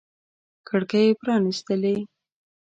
کړکۍ پرانیستلي